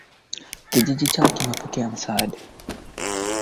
Eric Gorgens mwandishi zinazotolewa Hata tulishangazwa na